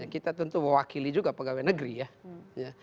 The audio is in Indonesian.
kita tentu mewakili juga pegawai negeri ya